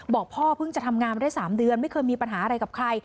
บอกพ่อเพิ่งจะทำงานได้๓เดือนไม่เคยมีปัญหาอะไรกับใคร